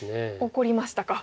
怒りましたか。